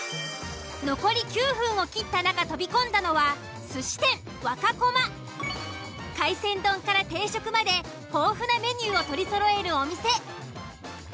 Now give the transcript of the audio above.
残り９分を切った中飛び込んだのは海鮮丼から定食まで豊富なメニューを取りそろえるお店。